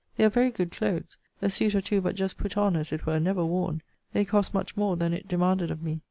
They are very good clothes. A suit or two but just put on, as it were; never worn. They cost much more than it demanded of me.